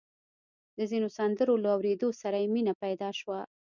د ځينو سندرو له اورېدو سره يې مينه پيدا شوه.